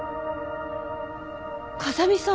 風見さん。